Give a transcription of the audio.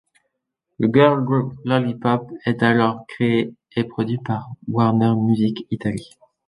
Le girl group Lollipop est alors créé et produit par Warner Music Italy.